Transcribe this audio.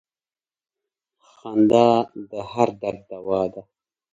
• خندا د هر درد دوا ده.